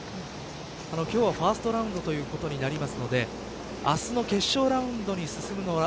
今日はファーストラウンドということになりますので明日の決勝ラウンドに進むのは